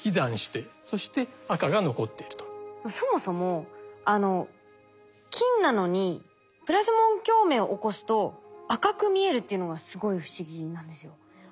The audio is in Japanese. そもそも金なのにプラズモン共鳴を起こすと赤く見えるっていうのがすごい不思議なんですよ。